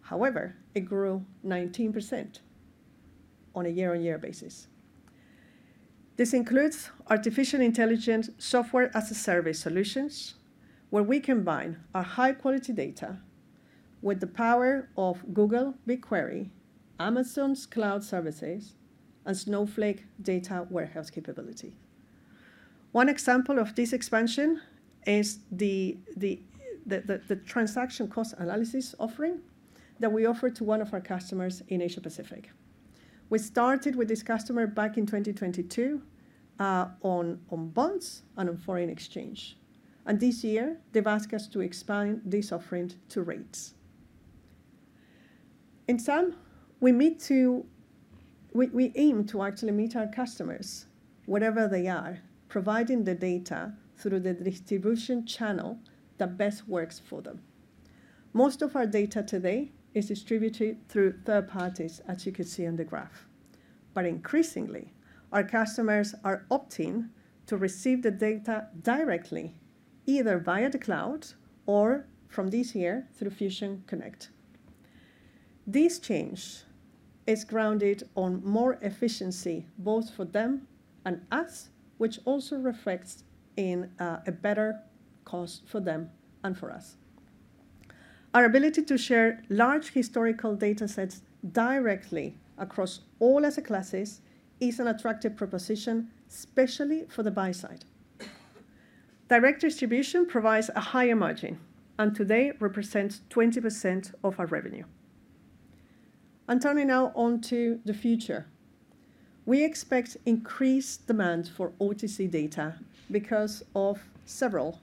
[SPEAKER 7] However, it grew 19% on a year-on-year basis. This includes artificial intelligence software-as-a-service solutions, where we combine our high-quality data with the power of Google BigQuery, Amazon's Cloud Services, and Snowflake data warehouse capability. One example of this expansion is the transaction cost analysis offering that we offer to one of our customers in Asia Pacific. We started with this customer back in 2022, on bonds and on foreign exchange, and this year, they've asked us to expand this offering to rates. In sum, we aim to actually meet our customers wherever they are, providing the data through the distribution channel that best works for them. Most of our data today is distributed through third parties, as you can see on the graph, but increasingly, our customers are opting to receive the data directly, either via the cloud or from this year, through Fusion Connect. This change is grounded on more efficiency, both for them and us, which also reflects in a better cost for them and for us. Our ability to share large historical datasets directly across all asset classes is an attractive proposition, especially for the buy side. Direct distribution provides a higher margin and today represents 20% of our revenue. Turning now on to the future, we expect increased demand for OTC data because of several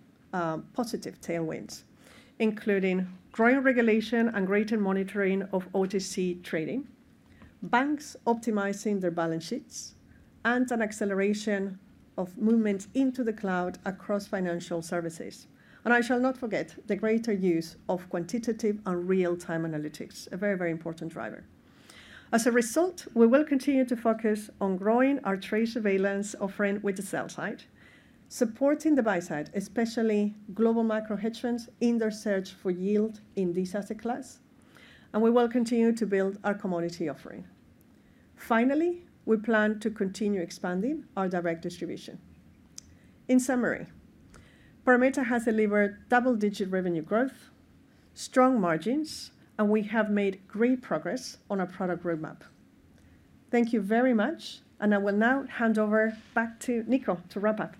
[SPEAKER 7] positive tailwinds, including growing regulation and greater monitoring of OTC trading, banks optimizing their balance sheets, and an acceleration of movement into the cloud across financial services. I shall not forget the greater use of quantitative and real-time analytics, a very, very important driver. As a result, we will continue to focus on growing our trade surveillance offering with the sell side, supporting the buy side, especially global macro hedge funds, in their search for yield in this asset class, and we will continue to build our commodity offering. Finally, we plan to continue expanding our direct distribution. In summary, Parameta has delivered double-digit revenue growth, strong margins, and we have made great progress on our product roadmap. Thank you very much, and I will now hand over back to Nico to wrap up.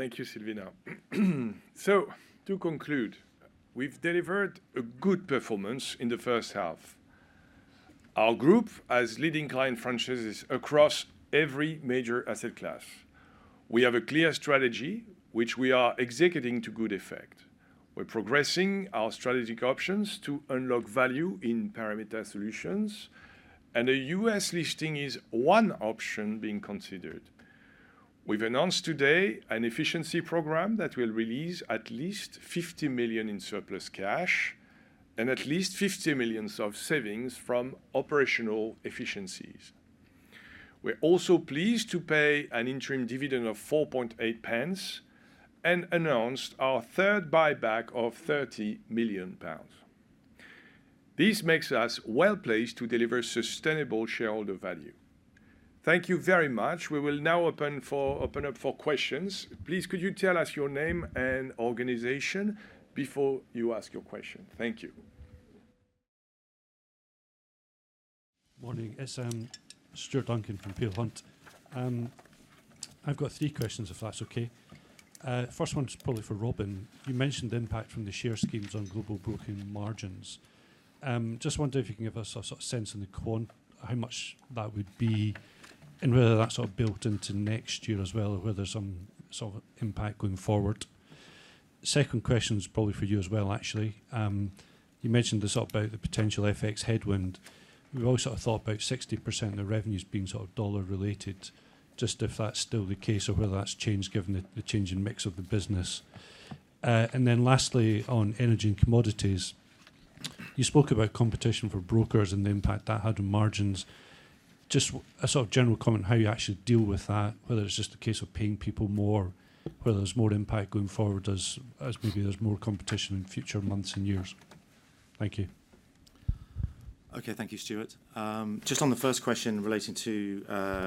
[SPEAKER 1] Thank you, Silvina. To conclude, we've delivered a good performance in the first half. Our group has leading client franchises across every major asset class. We have a clear strategy, which we are executing to good effect. We're progressing our strategic options to unlock value in Parameta Solutions, and a US listing is one option being considered. We've announced today an efficiency program that will release at least 50 million in surplus cash and at least 50 million of savings from operational efficiencies. We're also pleased to pay an interim dividend of 0.048 and announced our third buyback of 30 million pounds. This makes us well-placed to deliver sustainable shareholder value. Thank you very much. We will now open up for questions. Please, could you tell us your name and organization before you ask your question? Thank you.
[SPEAKER 8] Morning. It's Stuart Duncan from Peel Hunt. I've got three questions, if that's okay. First one is probably for Robin. You mentioned the impact from the share schemes on global broking margins. Just wonder if you can give us a sort of sense on how much that would be, and whether that's sort of built into next year as well, or whether there's some sort of impact going forward. Second question is probably for you as well, actually. You mentioned this up about the potential FX headwind. We've always sort of thought about 60% of the revenue as being sort of dollar related, just if that's still the case or whether that's changed given the changing mix of the business. And then lastly, on energy and commodities, you spoke about competition for brokers and the impact that had on margins. Just a sort of general comment on how you actually deal with that, whether it's just a case of paying people more, whether there's more impact going forward as maybe there's more competition in future months and years. Thank you.
[SPEAKER 2] Okay, thank you, Stuart. Just on the first question relating to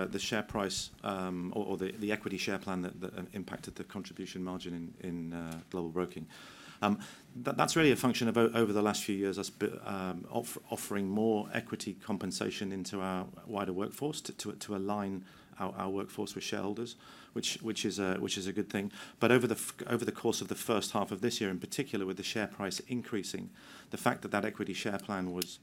[SPEAKER 2] the share price, or the equity share plan that impacted the contribution margin in Global Broking. That's really a function of over the last few years, us offering more equity compensation into our wider workforce to align our workforce with shareholders, which is a good thing. But over the course of the first half of this year, in particular, with the share price increasing, the fact that that equity share plan was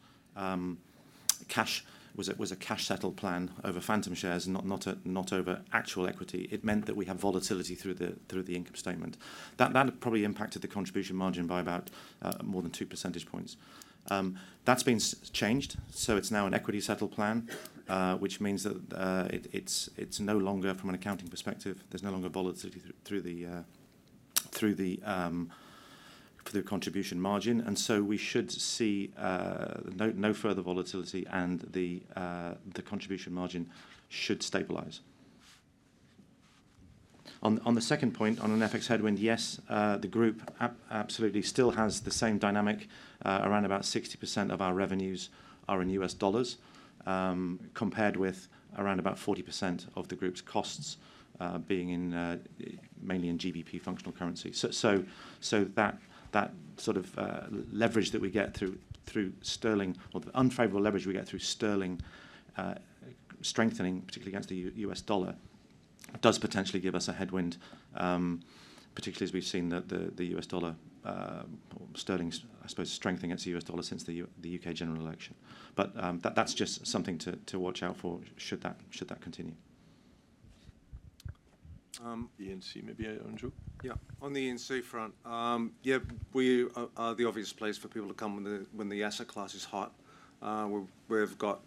[SPEAKER 2] a cash-settled plan over phantom shares and not over actual equity, it meant that we have volatility through the income statement. That probably impacted the contribution margin by about more than two percentage points. That's been changed, so it's now an equity settle plan, which means that it's no longer, from an accounting perspective, there's no longer volatility through the contribution margin, and so we should see no further volatility and the contribution margin should stabilize. On the second point, on an FX headwind, yes, the group absolutely still has the same dynamic. Around about 60% of our revenues are in US dollars, compared with around about 40% of the group's costs, being mainly in GBP functional currency. So that sort of leverage that we get through sterling, or the unfavorable leverage we get through sterling strengthening, particularly against the U.S. dollar, does potentially give us a headwind, particularly as we've seen that the U.S. dollar, or sterling, I suppose, strengthen against the U.S. dollar since the U.K. general election. But that's just something to watch out for, should that continue.
[SPEAKER 1] ENC, maybe, Andrew?
[SPEAKER 5] Yeah. On the ENC front, yeah, we are the obvious place for people to come when the asset class is hot. We've got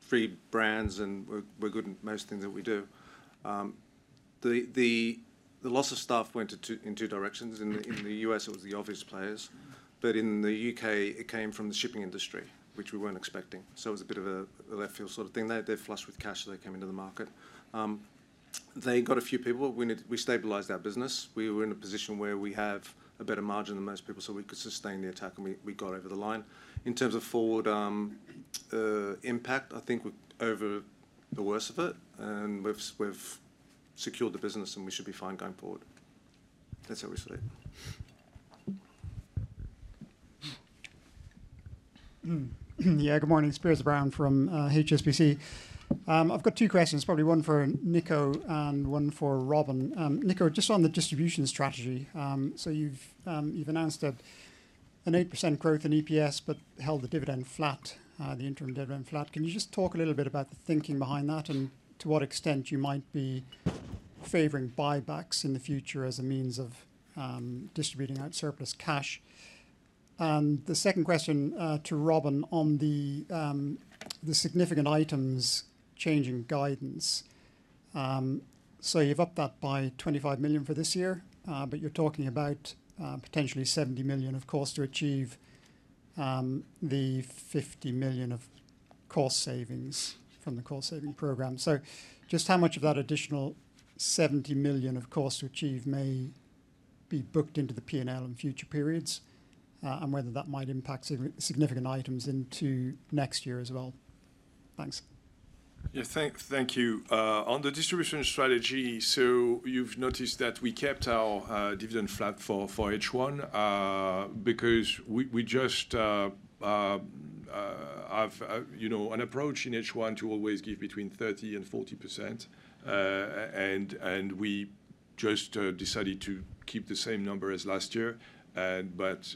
[SPEAKER 5] three brands, and we're good in most things that we do. The loss of staff went in two directions. In the U.S., it was the obvious players, but in the U.K., it came from the shipping industry, which we weren't expecting, so it was a bit of a left field sort of thing. They're flush with cash, so they came into the market. They got a few people. We stabilized our business. We were in a position where we have a better margin than most people, so we could sustain the attack, and we got over the line. In terms of forward impact, I think we're over the worst of it, and we've secured the business, and we should be fine going forward. That's how we see it.
[SPEAKER 9] Yeah, good morning. Piers Brown from HSBC. I've got two questions, probably one for Nico and one for Robin. Nico, just on the distribution strategy, so you've announced an 8% growth in EPS but held the dividend flat, the interim dividend flat. Can you just talk a little bit about the thinking behind that, and to what extent you might be favoring buybacks in the future as a means of distributing out surplus cash? And the second question to Robin, on the significant items changing guidance. So you've upped that by 25 million for this year, but you're talking about potentially 70 million, of course, to achieve the 50 million of cost savings from the cost-saving program. So just how much of that additional 70 million, of course, to achieve may be booked into the P&L in future periods, and whether that might impact significant items into next year as well? Thanks.
[SPEAKER 1] Thank you. On the distribution strategy, so you've noticed that we kept our dividend flat for H1, because we just have, you know, an approach in H1 to always give between 30% and 40%. And we just decided to keep the same number as last year, but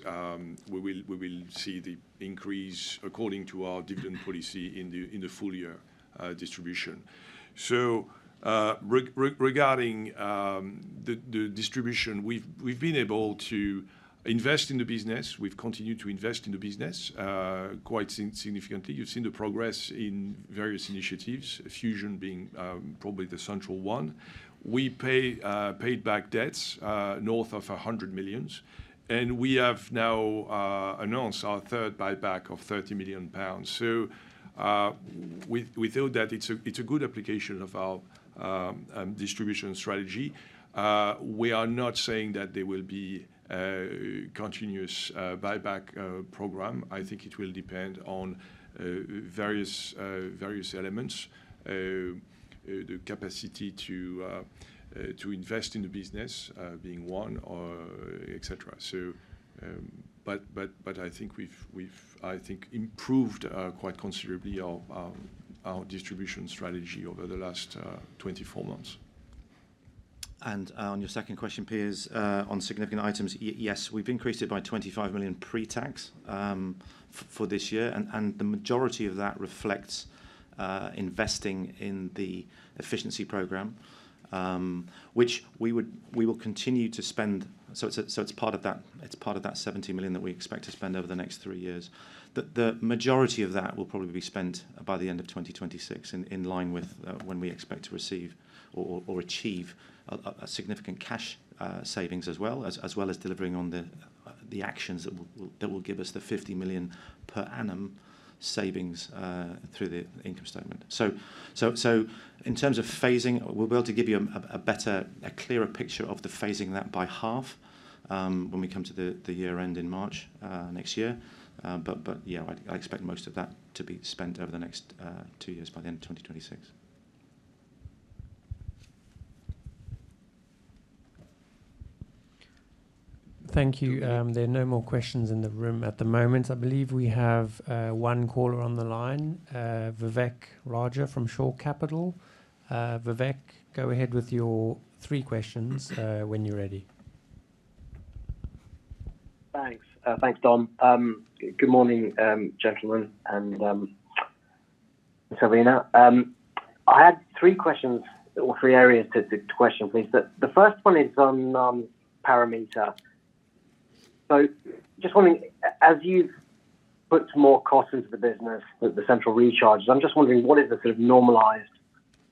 [SPEAKER 1] we will see the increase according to our dividend policy in the full year distribution. So, regarding the distribution, we've been able to invest in the business. We've continued to invest in the business quite significantly. You've seen the progress in various initiatives, Fusion being probably the central one. We paid back debts north of 100 million, and we have now announced our third buyback of 30 million pounds. So, we feel that it's a good application of our distribution strategy. We are not saying that there will be a continuous buyback program. I think it will depend on various elements. The capacity to invest in the business, being one, et cetera. So, but I think we've improved quite considerably our distribution strategy over the last 24 months.
[SPEAKER 2] On your second question, Piers, on significant items, yes, we've increased it by 25 million pre-tax, for this year, and the majority of that reflects investing in the efficiency program, which we will continue to spend. It's part of that 70 million that we expect to spend over the next three years. The majority of that will probably be spent by the end of 2026, in line with when we expect to receive or achieve a significant cash savings as well as delivering on the actions that will give us the 50 million per annum savings through the income statement. So in terms of phasing, we'll be able to give you a better, clearer picture of the phasing that by half, when we come to the year-end in March next year. But yeah, I expect most of that to be spent over the next two years, by the end of 2026.
[SPEAKER 6] Thank you. There are no more questions in the room at the moment. I believe we have one caller on the line, Vivek Raja from Shore Capital. Vivek, go ahead with your three questions, when you're ready.
[SPEAKER 10] Thanks. Thanks, Dom. Good morning, gentlemen, and Silvina. I had three questions or three areas to question, please. The first one is on Parameta. Just wondering, as you've put more cost into the business with the central recharges, I'm just wondering, what is the sort of normalized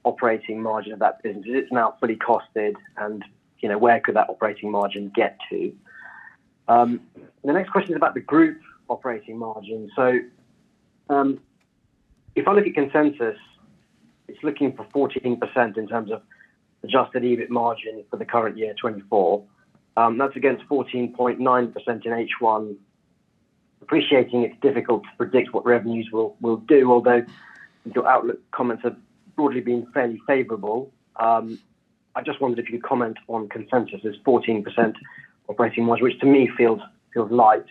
[SPEAKER 10] operating margin of that business? Is it now fully costed, and where could that operating margin get to? The next question is about the group operating margin. If I look at consensus, it's looking for 14% in terms of adjusted EBIT margin for the current year 2024. That's against 14.9% in H1. Appreciating it's difficult to predict what revenues will do, although your outlook comments have broadly been fairly favorable. I just wondered if you could comment on consensus as 14% operating margin, which to me feels, feels light.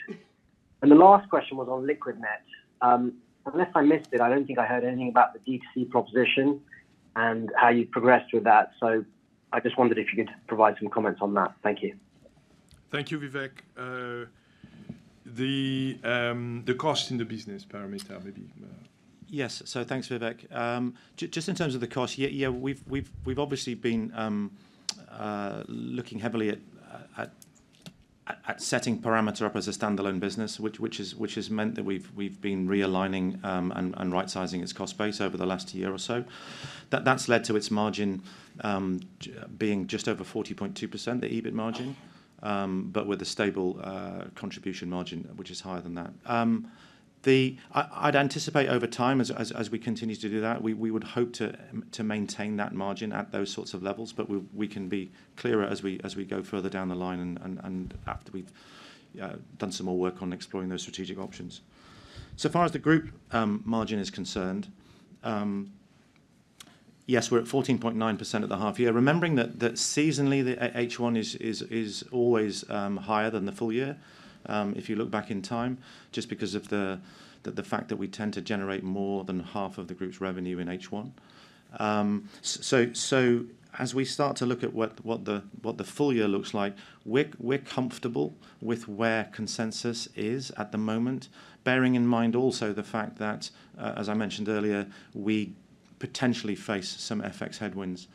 [SPEAKER 10] The last question was on Liquidnet. Unless I missed it, I don't think I heard anything about the D2C proposition and how you've progressed with that. I just wondered if you could provide some comments on that. Thank you.
[SPEAKER 1] Thank you, Vivek. The cost in the business Parameta, maybe,
[SPEAKER 2] Yes. So thanks, Vivek. Just in terms of the cost, yeah, yeah, we've obviously been looking heavily at setting Parameta up as a standalone business, which has meant that we've been realigning and right-sizing its cost base over the last year or so. That's led to its margin being just over 40.2%, the EBIT margin, but with a stable contribution margin, which is higher than that. I'd anticipate over time, as we continue to do that, we would hope to maintain that margin at those sorts of levels, but we can be clearer as we go further down the line and after we've done some more work on exploring those strategic options. So far as the group margin is concerned, yes, we're at 14.9% at the half year, remembering that seasonally, the H1 is always higher than the full year, if you look back in time, just because of the fact that we tend to generate more than half of the group's revenue in H1. So as we start to look at what the full year looks like, we're comfortable with where consensus is at the moment, bearing in mind also the fact that as I mentioned earlier, we potentially face some FX headwinds,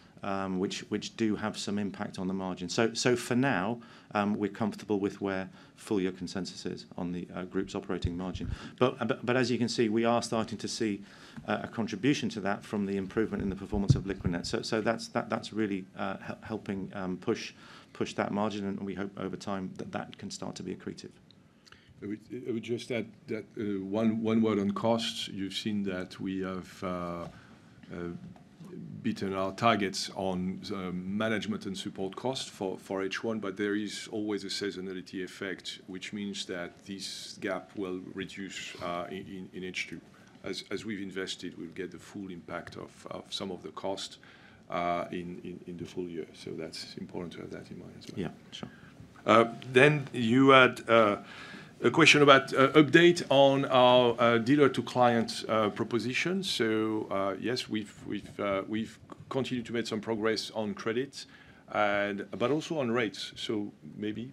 [SPEAKER 2] which do have some impact on the margin. So for now, we're comfortable with where full-year consensus is on the group's operating margin. But as you can see, we are starting to see a contribution to that from the improvement in the performance of Liquidnet. So that's really helping push that margin, and we hope over time that that can start to be accretive.
[SPEAKER 1] I would just add that, one word on costs. You've seen that we have beaten our targets on management and support costs for H1, but there is always a seasonality effect, which means that this gap will reduce in H2. As we've invested, we'll get the full impact of some of the cost in the full year. So that's important to have that in mind as well.
[SPEAKER 2] Yeah, sure.
[SPEAKER 1] Then you had a question about update on our Dealer-to-Client proposition. So, yes, we've continued to make some progress on credit and—but also on rates. So maybe,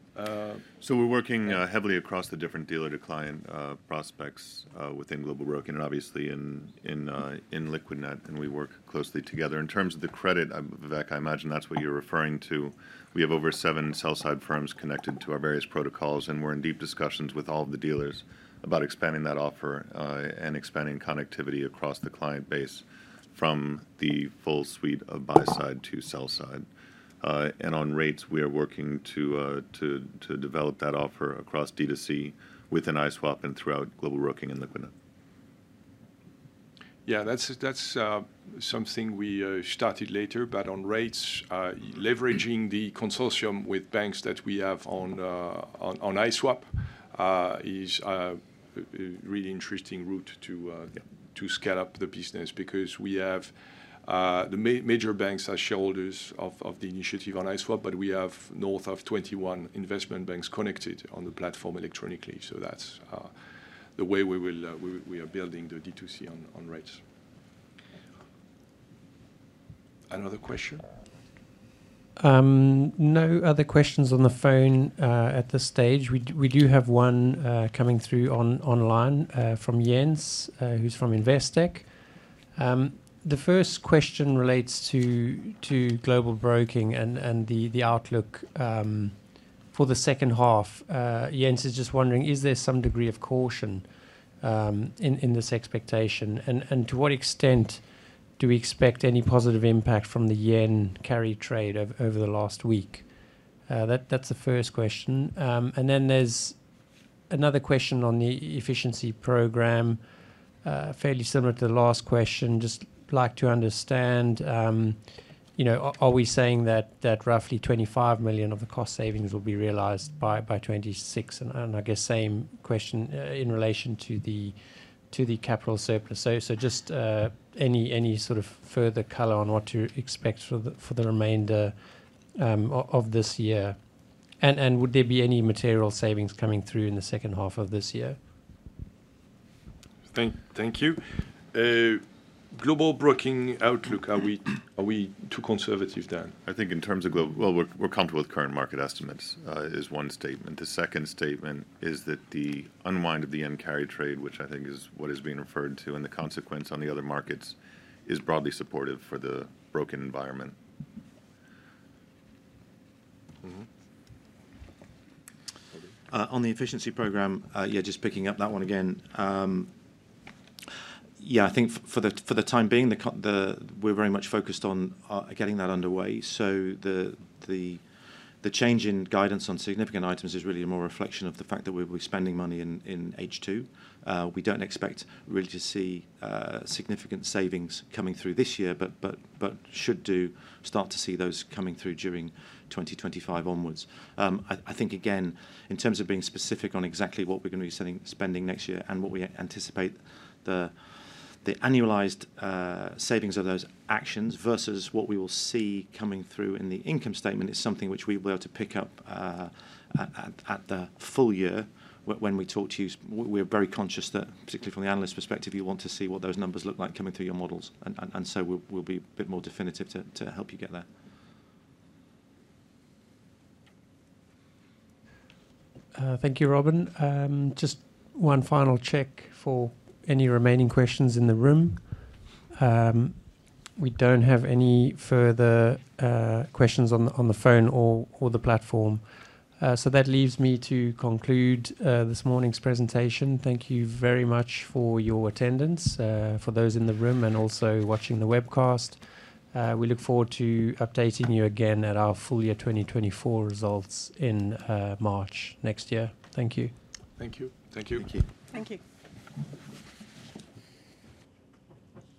[SPEAKER 4] So we're working heavily across the different dealer-to-client prospects within Global Broking and obviously in Liquidnet, and we work closely together. In terms of the credit, Vivek, I imagine that's what you're referring to. We have over seven sell-side firms connected to our various protocols, and we're in deep discussions with all of the dealers about expanding that offer and expanding connectivity across the client base from the full suite of buy side to sell side. And on rates, we are working to develop that offer across D2C, within ISwap and throughout Global Broking and Liquidnet.
[SPEAKER 1] Yeah, that's something we started later, but on rates, leveraging the consortium with banks that we have on i-Swap, is a really interesting route to—
[SPEAKER 4] Yeah
[SPEAKER 1] To scale up the business, because we have... The major banks are shareholders of, of the initiative but i wap, but we have north of 21 investment banks connected on the platform electronically. So that's the way we will, we, we are building the D2C on, on rates. Another question? No other questions on the phone at this stage. We do have one coming through online from James, who's from Investec. The first question relates to Global Broking and the outlook for the second half. James is just wondering, is there some degree of caution in this expectation? To what extent do we expect any positive impact from the yen carry trade over the last week? That's the first question. Then there's another question on the efficiency program, fairly similar to the last question. Just like to understand, you know, are we saying that roughly 25 million of the cost savings will be realized by 2026? I guess same question in relation to the capital surplus. Just any sort of further color on what to expect for the remainder of this year? And would there be any material savings coming through in the second half of this year? Thank you. Global Broking outlook, are we too conservative then?
[SPEAKER 4] I think in terms of Global, well, we're comfortable with current market estimates is one statement. The second statement is that the unwind of the Yen Carry Trade, which I think is what is being referred to, and the consequence on the other markets, is broadly supportive for the broking environment.
[SPEAKER 1] Robin?
[SPEAKER 2] On the efficiency program, yeah, just picking up that one again. Yeah, I think for the time being, we're very much focused on getting that underway. So the change in guidance on significant items is really more a reflection of the fact that we'll be spending money in H2. We don't expect really to see significant savings coming through this year, but should start to see those coming through during 2025 onwards. I think, again, in terms of being specific on exactly what we're going to be spending next year and what we anticipate the annualized savings of those actions versus what we will see coming through in the income statement, is something which we'll be able to pick up at the full year when we talk to you. We're very conscious that, particularly from the analyst perspective, you want to see what those numbers look like coming through your models, and so we'll be a bit more definitive to help you get that.
[SPEAKER 6] Thank you, Robin. Just one final check for any remaining questions in the room. We don't have any further questions on the phone or the platform. So that leaves me to conclude this morning's presentation. Thank you very much for your attendance for those in the room and also watching the webcast. We look forward to updating you again at our full year 2024 results in March next year. Thank you.
[SPEAKER 1] Thank you. Thank you.
[SPEAKER 4] Thank you.
[SPEAKER 6] Thank you.